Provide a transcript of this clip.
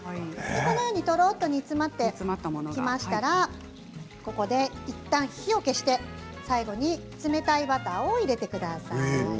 このようにとろっと煮詰まってきましたらここでいったん火を消して最後に冷たいバターを入れてください。